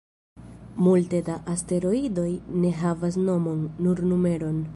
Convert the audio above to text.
Multe da asteroidoj ne havas nomon, nur numeron.